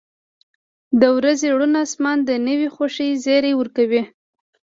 • د ورځې روڼ آسمان د نوې خوښۍ زیری ورکوي.